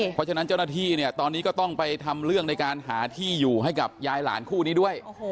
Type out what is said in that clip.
เพราะฉะนั้นเจ้าหน้าที่เนี่ยตอนนี้ก็ต้องไปทำเรื่องในการหาที่อยู่ให้กับยายหลานคู่นี้ด้วย